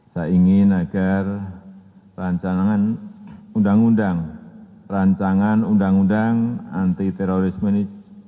saya ingin agar rancangan undang undang rancangan undang undang anti terorisme ini